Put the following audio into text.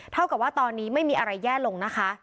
เท่ากับว่าตอนนี้ไม่มีอะไรแย่ลงนะคะ